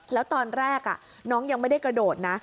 แล้วตอนแรกน้องยังไม่ได้กระโดดนะ